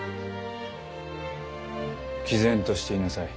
きぜんとしていなさい。